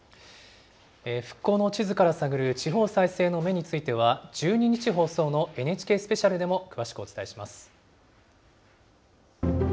復興の地図から探る地方再生の芽については、１２日放送のＮＨＫスペシャルでも詳しくお伝えします。